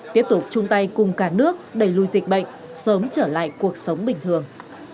tiếp tục chung tay cùng cả nước đẩy lùi dịch bệnh sớm trở lại cuộc sống bình thường